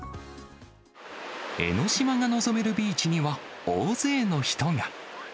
江の島が望めるビーチには、大勢の人が。